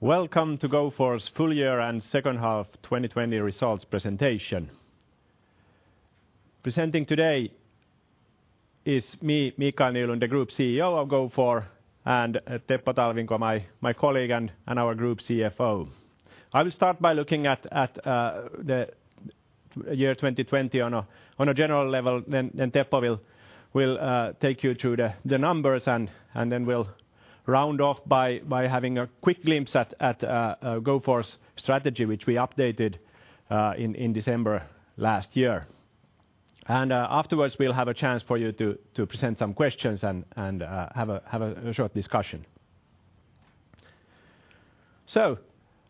Welcome to Gofore's full year and second half 2020 results presentation. Presenting today is me, Mikael Nylund, the Group CEO of Gofore, and Teppo Talvinko, my colleague and our Group CFO. I will start by looking at the year 2020 on a general level, then Teppo will take you through the numbers, and then we'll round off by having a quick glimpse at Gofore's strategy, which we updated in December last year. Afterwards, we'll have a chance for you to present some questions and have a short discussion. So,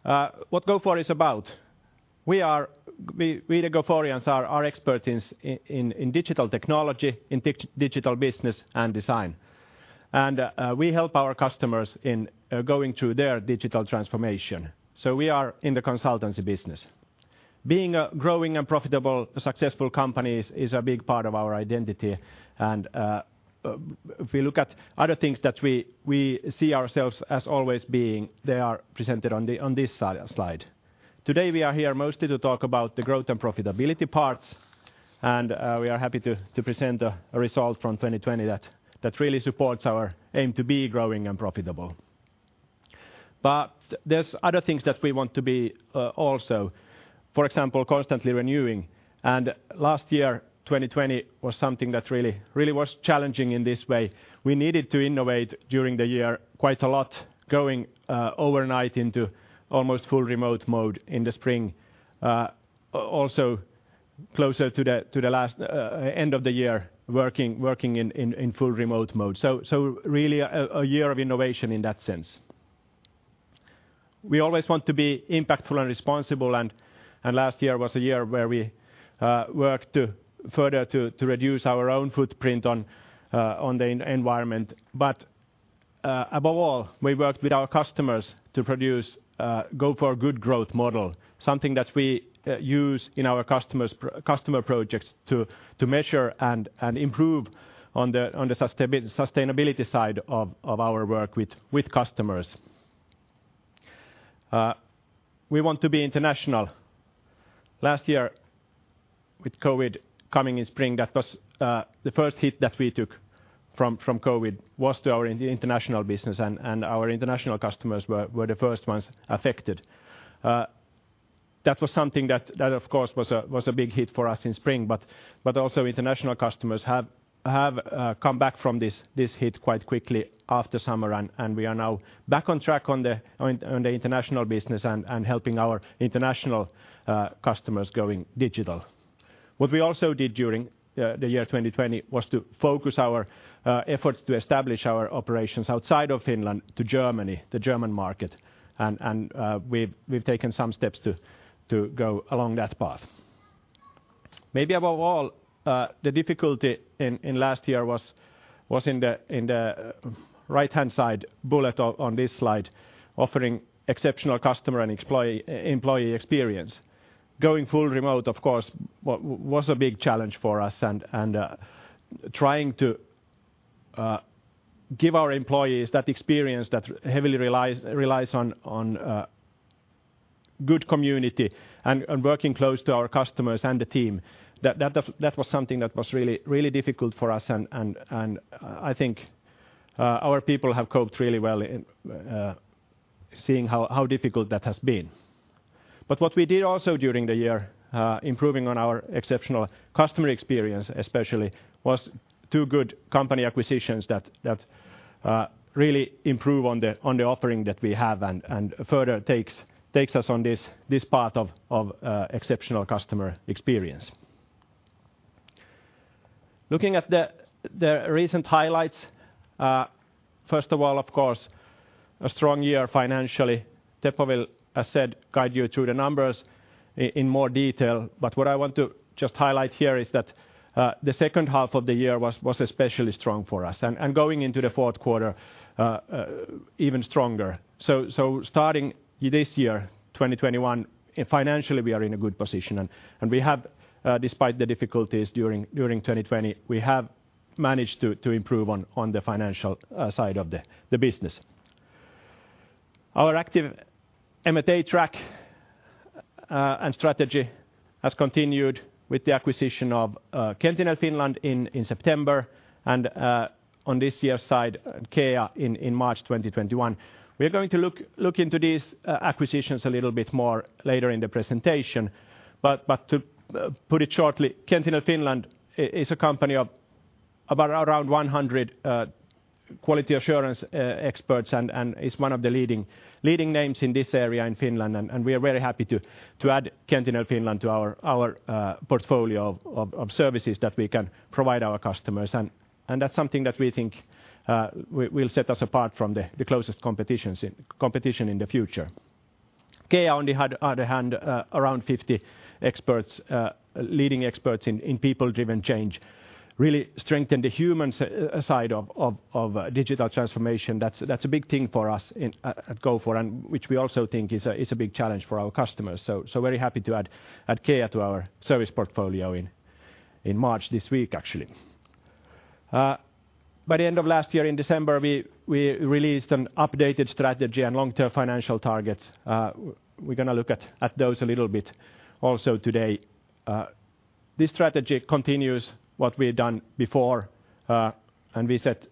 what Gofore is about? We, the Goforeans, are experts in digital technology, in digital business and design, and we help our customers in going through their digital transformation, so we are in the consultancy business. Being a growing and profitable, successful company is a big part of our identity, and if we look at other things that we see ourselves as always being, they are presented on this slide. Today, we are here mostly to talk about the growth and profitability parts, and we are happy to present a result from 2020 that really supports our aim to be growing and profitable. But there's other things that we want to be also, for example, constantly renewing, and last year, 2020, was something that really, really was challenging in this way. We needed to innovate during the year quite a lot, going overnight into almost full remote mode in the spring. Also closer to the end of the year, working in full remote mode, so really a year of innovation in that sense. We always want to be impactful and responsible, and last year was a year where we worked further to reduce our own footprint on the environment. But above all, we worked with our customers to produce a Gofore Good Growth model, something that we use in our customer projects to measure and improve on the sustainability side of our work with customers. We want to be international. Last year, with COVID coming in spring, that was... The first hit that we took from COVID was to our international business, and our international customers were the first ones affected. That was something that of course was a big hit for us in spring, but also international customers have come back from this hit quite quickly after summer, and we are now back on track on the international business and helping our international customers going digital. What we also did during the year 2020 was to focus our efforts to establish our operations outside of Finland to Germany, the German market, and we've taken some steps to go along that path. Maybe above all, the difficulty in last year was in the right-hand side bullet on this slide, offering exceptional customer and employee experience. Going full remote, of course, was a big challenge for us, and trying to give our employees that experience that heavily relies on good community and working close to our customers and the team, that was something that was really difficult for us. And I think our people have coped really well in seeing how difficult that has been. But what we did also during the year, improving on our exceptional customer experience especially, was two good company acquisitions that really improve on the offering that we have and further takes us on this path of exceptional customer experience. Looking at the recent highlights, first of all, of course, a strong year financially. Teppo will, as said, guide you through the numbers in more detail, but what I want to just highlight here is that, the second half of the year was especially strong for us, and going into the fourth quarter, even stronger. Starting this year, 2021, financially, we are in a good position, and we have, despite the difficulties during 2020, we have managed to improve on the financial side of the business. Our active M&A track and strategy has continued with the acquisition of Qentinel Finland in September, and on this year side, CCEA in March 2021. We're going to look into these acquisitions a little bit more later in the presentation, but to put it shortly, Qentinel Finland is a company of about around 100 quality assurance experts and is one of the leading names in this area in Finland, and we are very happy to add Qentinel Finland to our portfolio of services that we can provide our customers. And that's something that we think will set us apart from the closest competition in the future. CCEA, on the other hand, around 50 experts, leading experts in people-driven change, really strengthen the human side of digital transformation. That's a big thing for us at Gofore, and which we also think is a big challenge for our customers, so very happy to add CCEA to our service portfolio in March, this week, actually. By the end of last year, in December, we released an updated strategy and long-term financial targets. We're gonna look at those a little bit also today. This strategy continues what we've done before, and we set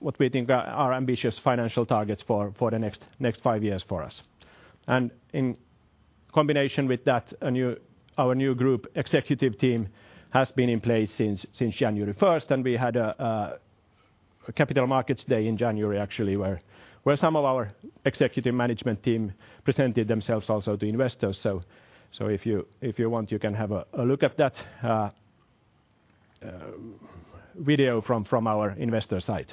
what we think are ambitious financial targets for the next five years for us. And in combination with that, our new group executive team has been in place since January 1st, and we had a capital markets day in January, actually, where some of our executive management team presented themselves also to investors. So if you want, you can have a look at that video from our investor site.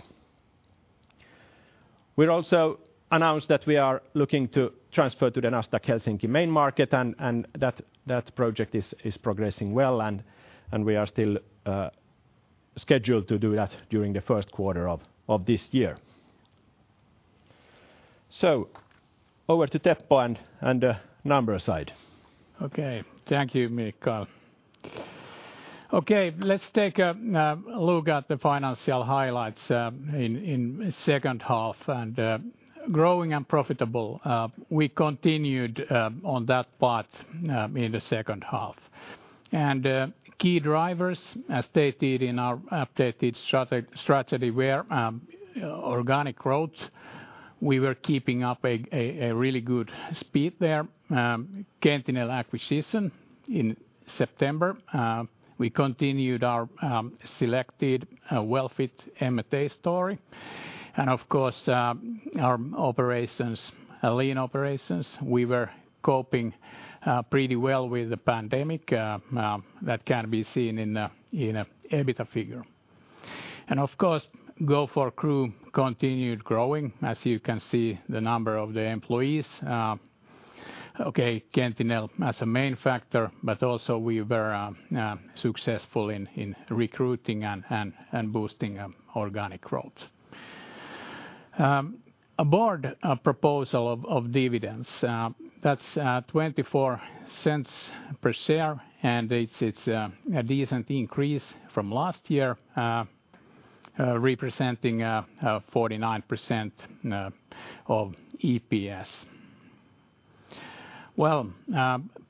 We also announced that we are looking to transfer to the Nasdaq Helsinki Main Market, and that project is progressing well, and we are still scheduled to do that during the first quarter of this year. So over to Teppo and the numbers side. Okay. Thank you, Mikael. Okay, let's take a look at the financial highlights in the second half, and growing and profitable, we continued on that path in the second half. Key drivers, as stated in our updated strategy, were organic growth. We were keeping up a really good speed there. Qentinel acquisition in September, we continued our selected well-fit M&A story, and of course, our lean operations, we were coping pretty well with the pandemic. That can be seen in our EBITDA figure. Of course, Gofore crew continued growing. As you can see, the number of employees, Qentinel as a main factor, but also we were successful in recruiting and boosting organic growth. A Board proposal of dividends, that's 0.24 per share, and it's a decent increase from last year, representing 49% of EPS. Well,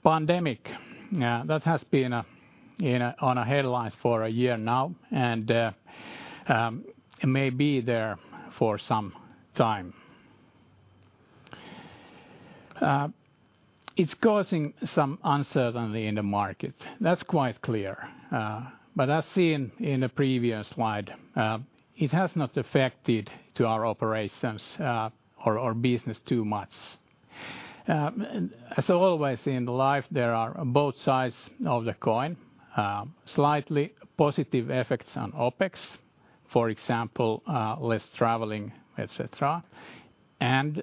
pandemic that has been a headline for a year now, and it may be there for some time. It's causing some uncertainty in the market. That's quite clear. But as seen in the previous slide, it has not affected to our operations or our business too much. As always in life, there are both sides of the coin, slightly positive effects on OpEx, for example, less traveling, et cetera, and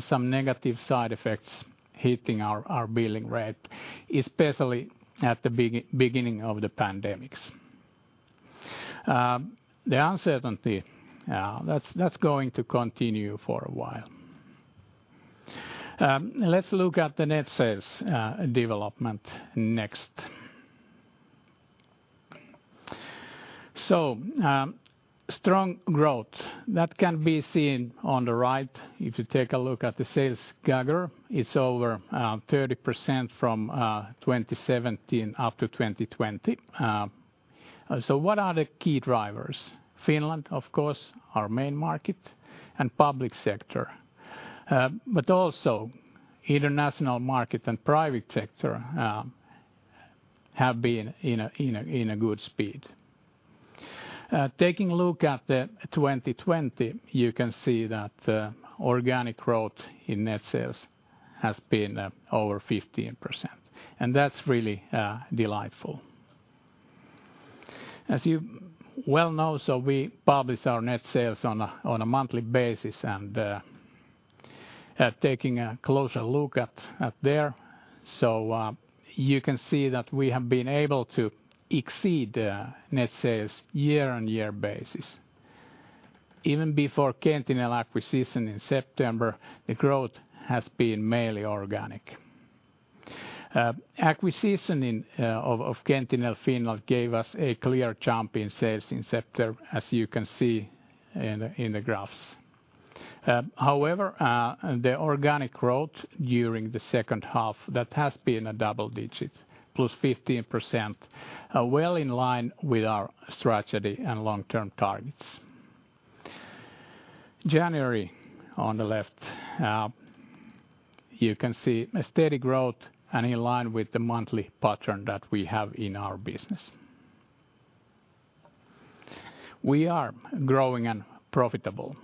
some negative side effects hitting our billing rate, especially at the beginning of the pandemics. The uncertainty, that's going to continue for a while. Let's look at the net sales development next. So, strong growth, that can be seen on the right. If you take a look at the sales CAGR, it's over 30% from 2017 up to 2020. So what are the key drivers? Finland, of course, our main market, and public sector, but also international market and private sector, have been in a good speed. Taking a look at the 2020, you can see that, organic growth in net sales has been over 15%, and that's really delightful. As you well know, so we publish our net sales on a monthly basis, and taking a closer look at there, so you can see that we have been able to exceed net sales year-on-year basis. Even before Qentinel acquisition in September, the growth has been mainly organic. Acquisition of Qentinel Finland gave us a clear jump in sales in sector, as you can see in the graphs. However, the organic growth during the second half has been double-digit +15%, well in line with our strategy and long-term targets. January, on the left, you can see a steady growth and in line with the monthly pattern that we have in our business. We are growing and profitable.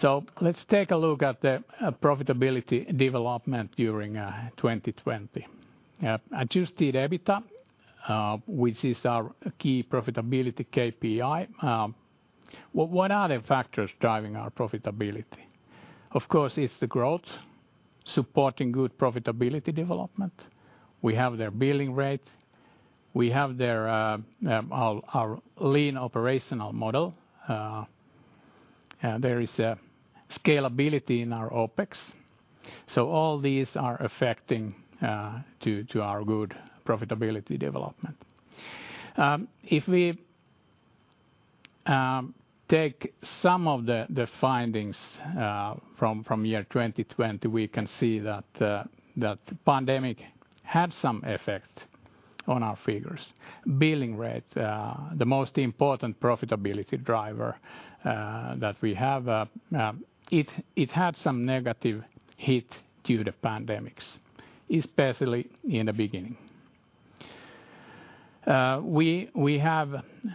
So let's take a look at the profitability development during 2020. Adjusted EBITDA, which is our key profitability KPI, well, what are the factors driving our profitability? Of course, it's the growth supporting good profitability development. We have the billing rate. We have our lean operational model. There is a scalability in our OpEx. So all these are affecting to our good profitability development. If we take some of the findings from year 2020, we can see that the pandemic had some effect on our figures. Billing rate, the most important profitability driver that we have, it had some negative hit due to pandemics, especially in the beginning. We have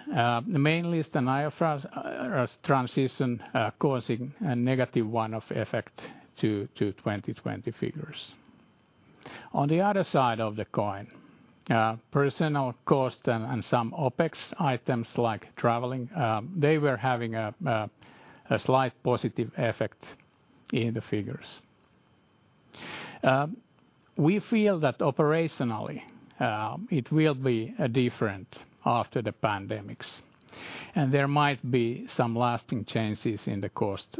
the Main List, an IFRS transition, causing a negative one-off effect to 2020 figures. On the other side of the coin, personal cost and some OpEx items like traveling, they were having a slight positive effect in the figures. We feel that operationally, it will be different after the pandemics, and there might be some lasting changes in the cost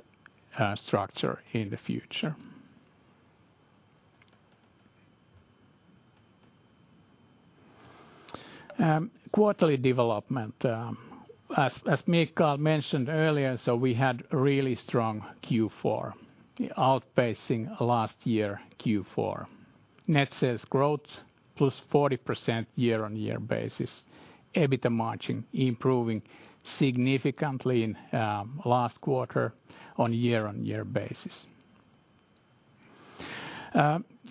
structure in the future. Quarterly development. As Mikael mentioned earlier, so we had really strong Q4, outpacing last year Q4. Net sales growth, +40% year-on-year basis. EBITDA margin improving significantly in last quarter on year-on-year basis.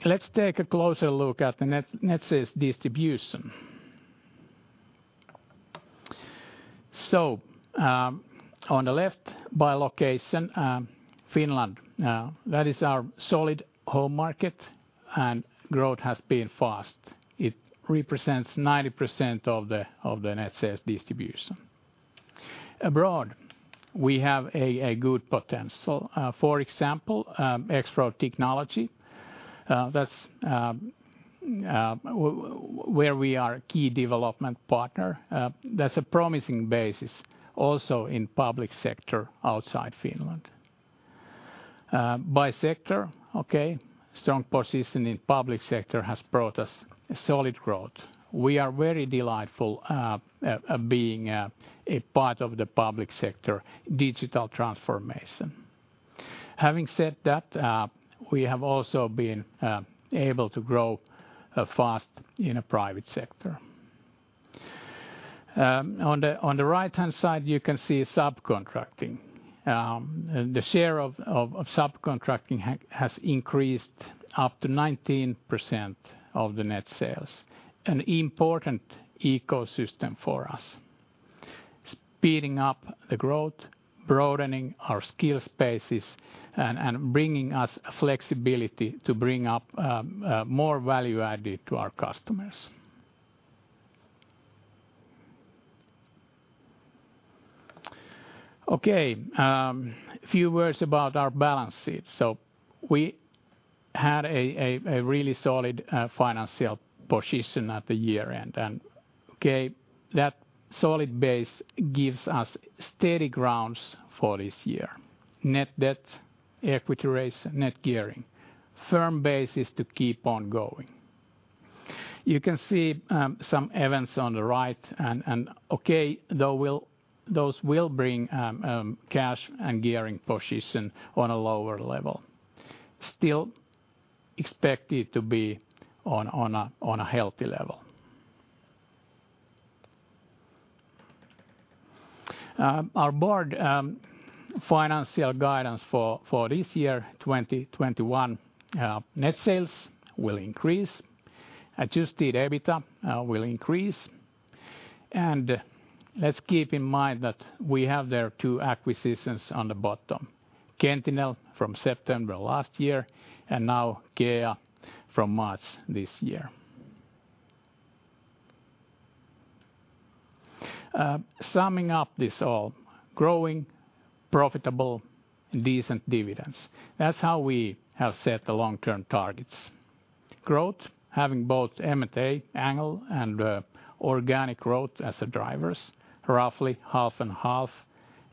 Let's take a closer look at the net sales distribution. So, on the left, by location, Finland, that is our solid home market, and growth has been fast. It represents 90% of the net sales distribution. Abroad, we have a good potential. For example, X-Road technology, that's where we are a key development partner. That's a promising basis, also in public sector outside Finland. By sector, okay, strong position in public sector has brought us solid growth. We are very delightful being a part of the public sector digital transformation. Having said that, we have also been able to grow fast in a private sector. On the right-hand side, you can see subcontracting. The share of subcontracting has increased up to 19% of the net sales, an important ecosystem for us. Speeding up the growth, broadening our skill spaces, and bringing us flexibility to bring up more value added to our customers. Okay, a few words about our balance sheet. So we had a really solid financial position at the year-end, and okay, that solid base gives us steady grounds for this year. Net debt, equity ratio, net gearing, firm basis to keep on going. You can see some events on the right, and those will bring cash and gearing position on a lower level. Still expect it to be on a healthy level. Our board financial guidance for this year, 2021, net sales will increase, adjusted EBITDA will increase. And let's keep in mind that we have there two acquisitions on the bottom: Qentinel from September last year, and now CCEA from March this year. Summing up this all, growing, profitable, decent dividends. That's how we have set the long-term targets. Growth, having both M&A angle and organic growth as the drivers, roughly half and half,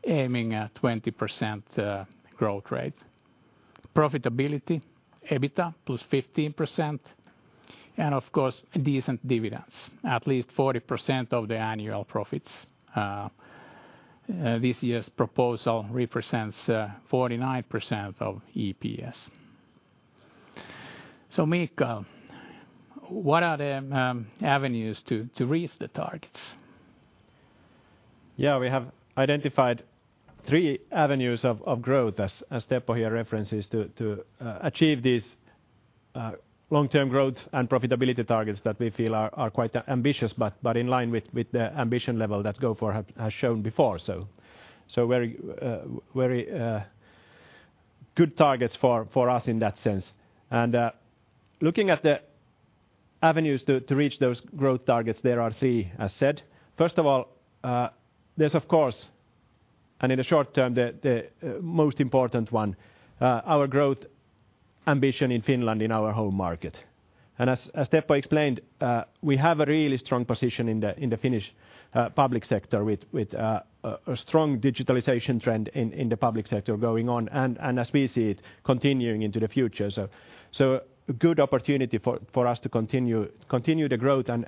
aiming at 20% growth rate. Profitability, EBITDA, +15%, and of course, decent dividends, at least 40% of the annual profits. This year's proposal represents 49% of EPS. So Mikael, what are the avenues to reach the targets? Yeah, we have identified three avenues of growth, as Teppo here references, to achieve these long-term growth and profitability targets that we feel are quite ambitious, but in line with the ambition level that Gofore has shown before. So very good targets for us in that sense. Looking at the avenues to reach those growth targets, there are three, as said. First of all, there's of course, and in the short term, the most important one, our growth ambition in Finland in our home market. As Teppo explained, we have a really strong position in the Finnish public sector with a strong digitalization trend in the public sector going on, and as we see it, continuing into the future. So a good opportunity for us to continue the growth and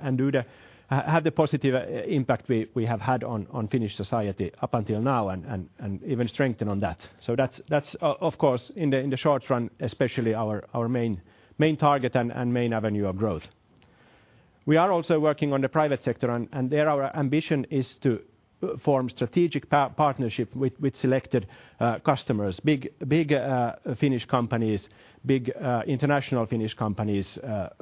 have the positive impact we have had on Finnish society up until now, and even strengthen on that. So that's of course in the short run, especially our main target and main avenue of growth. We are also working on the private sector, and there, our ambition is to form strategic partnership with selected customers, big Finnish companies, big international Finnish companies,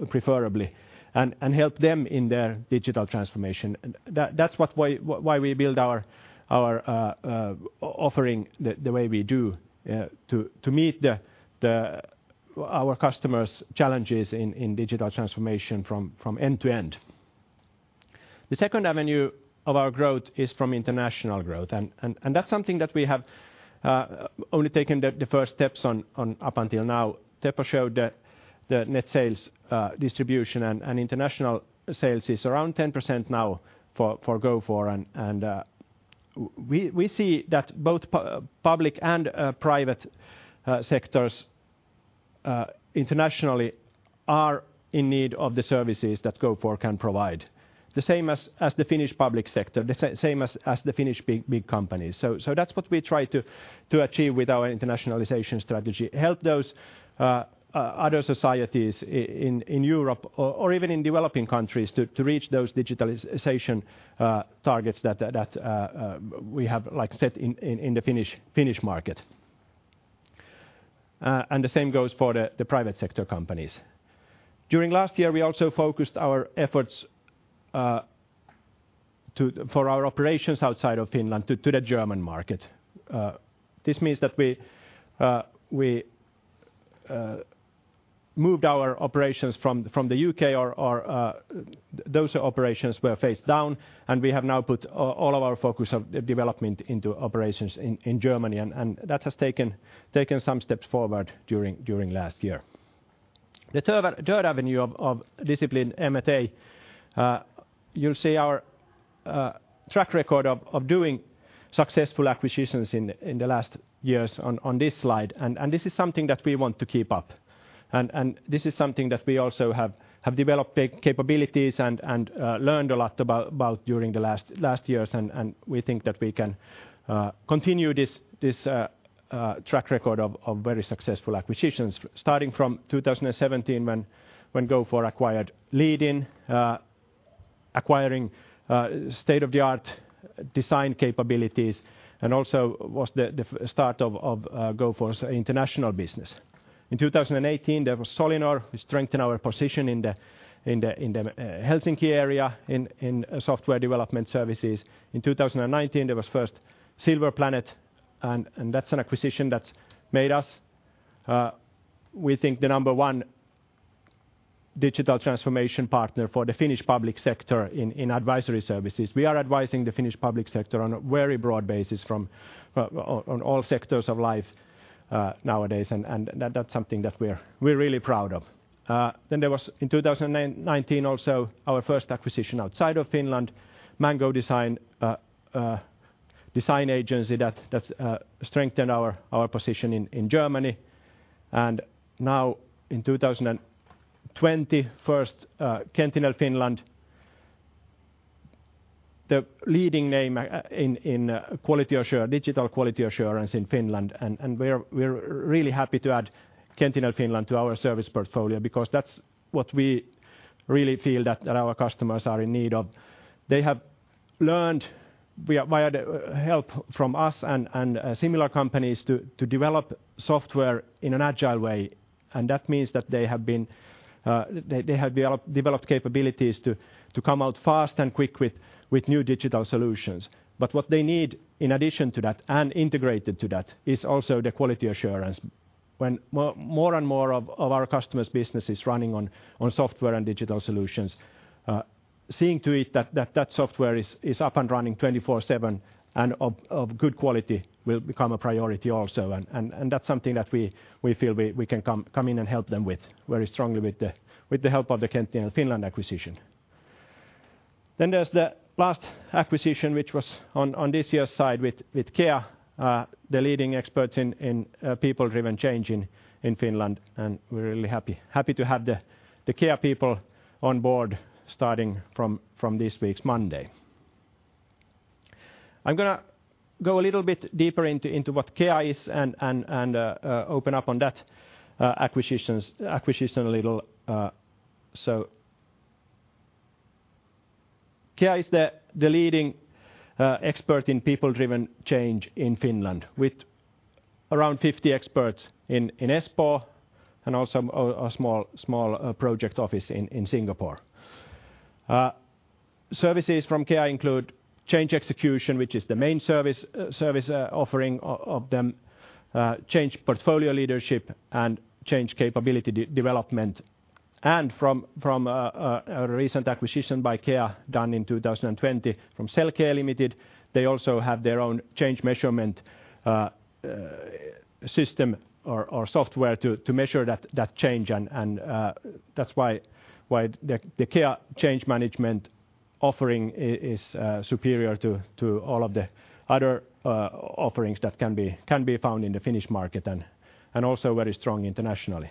preferably, and help them in their digital transformation. And that's why we build our offering the way we do to meet our customers' challenges in digital transformation from end to end. The second avenue of our growth is from international growth, and that's something that we have only taken the first steps on up until now. Teppo showed the net sales distribution, and international sales is around 10% now for Gofore, and we see that both public and private sectors internationally are in need of the services that Gofore can provide, the same as the Finnish public sector, the same as the Finnish big companies. So that's what we try to achieve with our internationalization strategy, help those other societies in Europe or even in developing countries, to reach those digitalization targets that we have, like, set in the Finnish market. And the same goes for the private sector companies. During last year, we also focused our efforts for our operations outside of Finland to the German market. This means that we, we, moved our operations from, from the U.K. or, or, those operations were phased down, and we have now put all of our focus of development into operations in, in Germany, and, and that has taken, taken some steps forward during, during last year. The third, third avenue of, of discipline, M&A, you'll see our, uh, track record of, of doing successful acquisitions in, in the last years on, on this slide, and, and this is something that we want to keep up. This is something that we also have developed the capabilities and learned a lot about during the last years, and we think that we can continue this track record of very successful acquisitions, starting from 2017, when Gofore acquired Leadin, acquiring state-of-the-art design capabilities and also was the start of Gofore's international business. In 2018, there was Solinor. We strengthened our position in the Helsinki area in software development services. In 2019, there was first Silver Planet, and that's an acquisition that's made us, we think, the number one digital transformation partner for the Finnish public sector in advisory services. We are advising the Finnish public sector on a very broad basis, on all sectors of life nowadays, and that's something that we're really proud of. Then there was, in 2019 also, our first acquisition outside of Finland, Mango Design, design agency that strengthened our position in Germany. And now in 2020, first Qentinel Finland, the leading name in digital quality assurance in Finland, and we're really happy to add Qentinel Finland to our service portfolio, because that's what we really feel that our customers are in need of. They have learned via the help from us and similar companies to develop software in an agile way, and that means that they have developed capabilities to come out fast and quick with new digital solutions. But what they need in addition to that, and integrated to that, is also the quality assurance. When more and more of our customers' business is running on software and digital solutions, seeing to it that that software is up and running 24/7 and of good quality will become a priority also. And that's something that we feel we can come in and help them with very strongly with the help of the Qentinel Finland acquisition. Then there's the last acquisition, which was on this year's side with CCEA, the leading experts in people-driven change in Finland, and we're really happy to have the CCEA people on board starting from this week's Monday. I'm gonna go a little bit deeper into what CCEA is and open up on that acquisition a little. So CCEA is the leading expert in people-driven change in Finland, with around 50 experts in Espoo and also a small project office in Singapore. Services from CCEA include change execution, which is the main service offering of them, change portfolio leadership, and change capability development.... And from a recent acquisition by CCEA done in 2020 from Celkee Limited, they also have their own change measurement system or software to measure that change. And that's why the CCEA change management offering is superior to all of the other offerings that can be found in the Finnish market and also very strong internationally.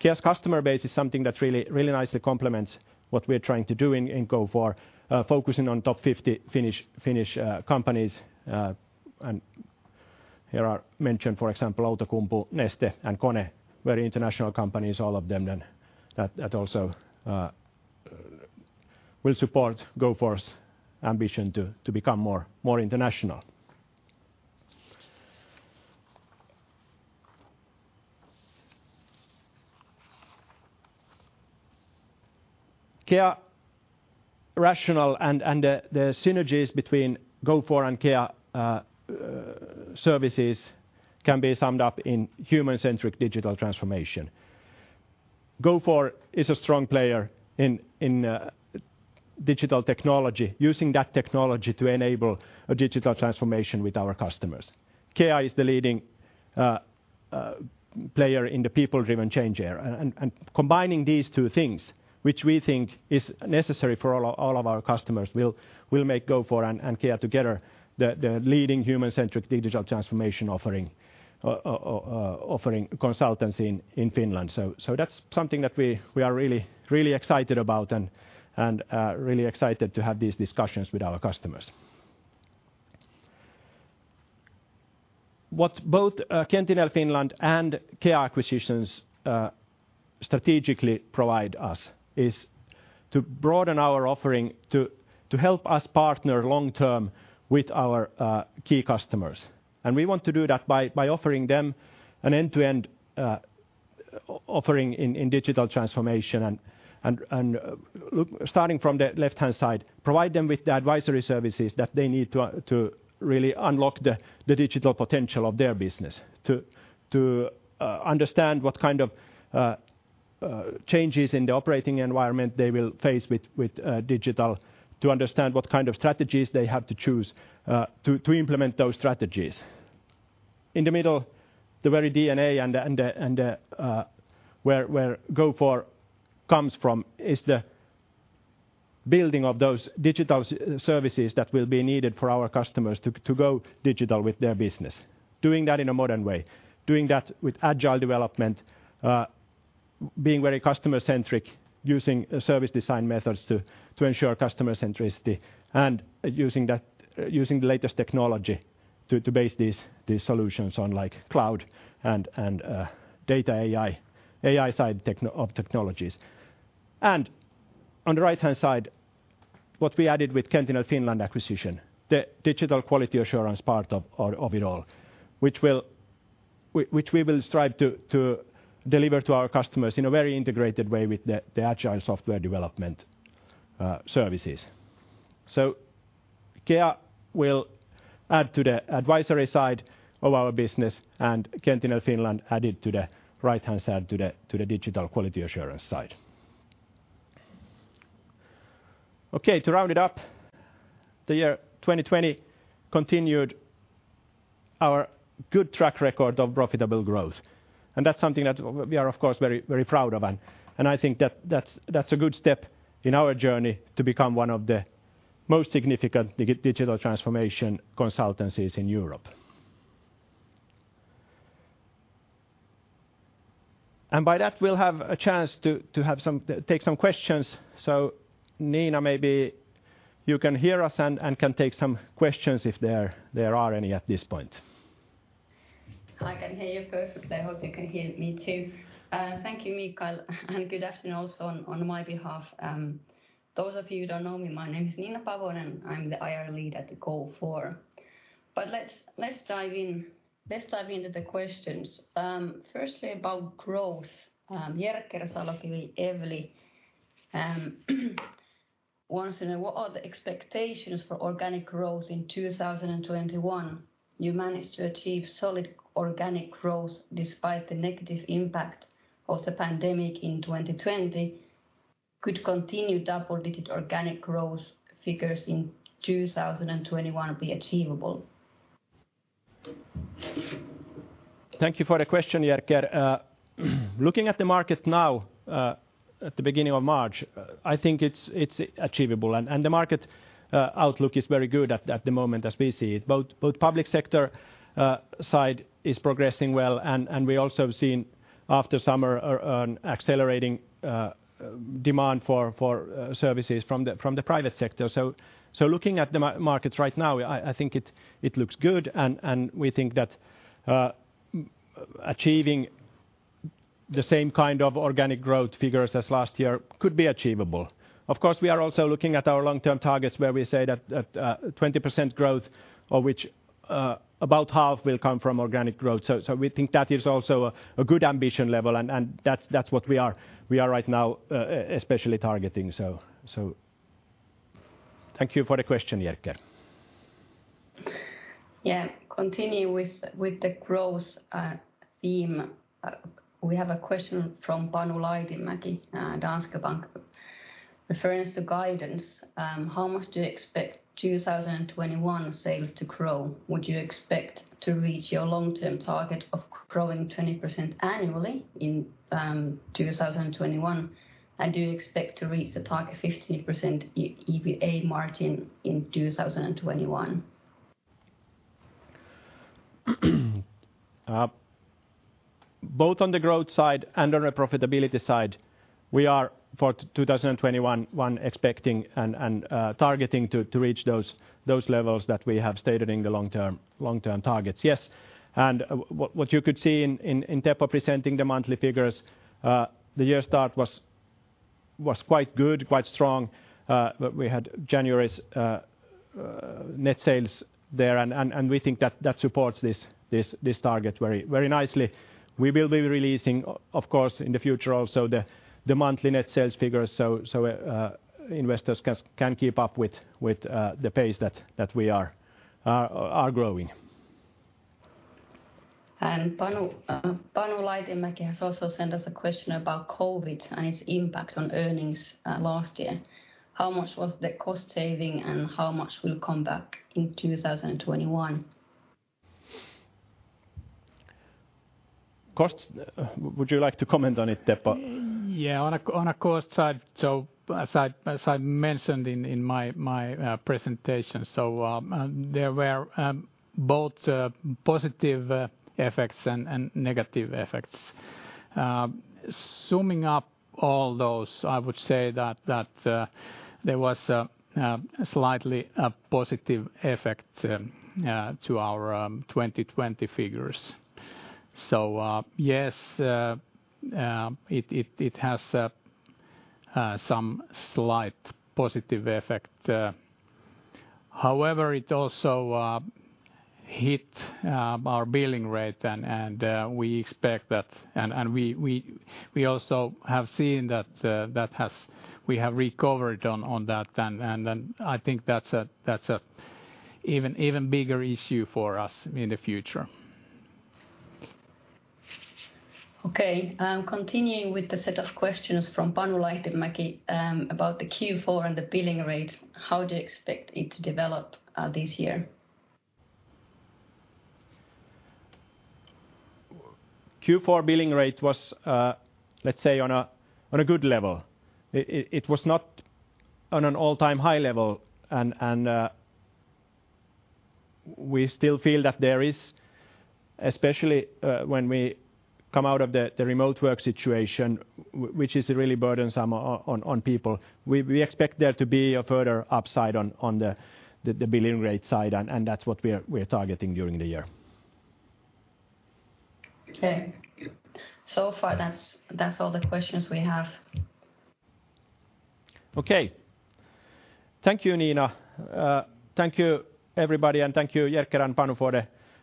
CCEA's customer base is something that really nicely complements what we're trying to do in Gofore, focusing on top 50 Finnish companies. And here are mentioned, for example, Outokumpu, Neste, and KONE, very international companies, all of them, and that also will support Gofore's ambition to become more international. CCEA rationale and the synergies between Gofore and CCEA services can be summed up in human-centric digital transformation. Gofore is a strong player in digital technology, using that technology to enable a digital transformation with our customers. CCEA is the leading player in the people-driven change area. And combining these two things, which we think is necessary for all of our customers, will make Gofore and CCEA together the leading human-centric digital transformation offering consultancy in Finland. So that's something that we are really excited about and really excited to have these discussions with our customers. What both Qentinel Finland and CCEA acquisitions strategically provide us is to broaden our offering to help us partner long-term with our key customers. And we want to do that by offering them an end-to-end offering in digital transformation. And starting from the left-hand side, provide them with the advisory services that they need to really unlock the digital potential of their business, to understand what kind of changes in the operating environment they will face with digital, to understand what kind of strategies they have to choose, to implement those strategies. In the middle, the very DNA and the, where Gofore comes from is the building of those digital services that will be needed for our customers to go digital with their business, doing that in a modern way, doing that with agile development, being very customer-centric, using service design methods to ensure customer centricity, and using the latest technology to base these solutions on, like, cloud and data AI, AI side of technologies. And on the right-hand side, what we added with Qentinel Finland acquisition, the digital quality assurance part of it all, which we will strive to deliver to our customers in a very integrated way with the agile software development services. So CCEA will add to the advisory side of our business, and Qentinel Finland added to the right-hand side, to the, to the digital quality assurance side. Okay, to round it up, the year 2020 continued our good track record of profitable growth, and that's something that we are, of course, very, very proud of. And, and I think that that's, that's a good step in our journey to become one of the most significant digital transformation consultancies in Europe. And by that, we'll have a chance to, to have some, take some questions. So, Nina, maybe you can hear us and, and can take some questions if there, there are any at this point. I can hear you perfectly. I hope you can hear me, too. Thank you, Mikael, and good afternoon also on my behalf. Those of you who don't know me, my name is Nina Pavón, I'm the IR Lead at Gofore. But let's dive in, let's dive into the questions. Firstly, about growth, Jerker Salokivi, Evli, wants to know, "What are the expectations for organic growth in 2021? You managed to achieve solid organic growth despite the negative impact of the pandemic in 2020. Could continued double-digit organic growth figures in 2021 be achievable? Thank you for the question, Jerker. Looking at the market now, at the beginning of March, I think it's achievable. And the market outlook is very good at the moment, as we see it. Both public sector side is progressing well, and we also have seen after summer, an accelerating demand for services from the private sector. So looking at the markets right now, I think it looks good, and we think that achieving the same kind of organic growth figures as last year could be achievable. Of course, we are also looking at our long-term targets, where we say that 20% growth, of which about half will come from organic growth. So, we think that is also a good ambition level, and that's what we are right now, especially targeting. So, thank you for the question, Jerker.... Yeah, continue with the growth theme. We have a question from Panu Laitinmäki, Danske Bank. Referring to the guidance, how much do you expect 2021 sales to grow? Would you expect to reach your long-term target of growing 20% annually in 2021? And do you expect to reach the target 15% EBITDA margin in 2021? Both on the growth side and on the profitability side, we are, for 2021, one expecting and, and, targeting to, to reach those, those levels that we have stated in the long-term, long-term targets. Yes, and what, what you could see in, in, in Teppo presenting the monthly figures, the year start was, was quite good, quite strong. But we had January's, net sales there, and, and, and we think that that supports this, this, this target very, very nicely. We will be releasing, of course, in the future also, the, the monthly net sales figures, so, so, investors can, can keep up with, with, the pace that, that we are, are, are growing. Panu, Panu Laitinmäki has also sent us a question about COVID and its impacts on earnings, last year. How much was the cost saving, and how much will come back in 2021? Costs, would you like to comment on it, Teppo? Yeah, on a cost side, so as I mentioned in my presentation, so, there were both positive effects and negative effects. Summing up all those, I would say that there was a slightly positive effect to our 2020 figures. So, yes, it has some slight positive effect. However, it also hit our billing rate, and we expect that... And we also have seen that that has—we have recovered on that. And I think that's an even bigger issue for us in the future. Okay, continuing with the set of questions from Panu Laitinmäki about the Q4 and the billing rate, how do you expect it to develop this year? Q4 billing rate was, let's say, on a good level. It was not on an all-time high level, and we still feel that there is, especially when we come out of the remote work situation, which is really burdensome on people, we expect there to be a further upside on the billing rate side, and that's what we're targeting during the year. Okay. So far, that's all the questions we have. Okay. Thank you, Nina. Thank you, everybody, and thank you, Jerker and Panu,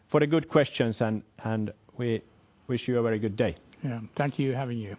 for the good questions, and we wish you a very good day. Yeah. Thank you, having you.